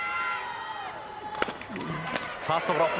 ファーストゴロ。